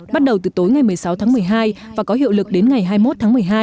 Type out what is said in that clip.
bắt đầu từ tối ngày một mươi sáu tháng một mươi hai và có hiệu lực đến ngày hai mươi một tháng một mươi hai